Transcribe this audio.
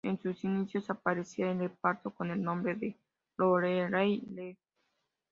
En sus inicios aparecía en el reparto con el nombre de "Lorelei Lee".